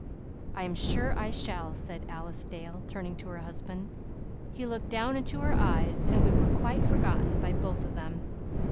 "I am sure I shall," said Alice Dale, turning to her husband. He looked down into her eyes and we were quite forgotten by both of them.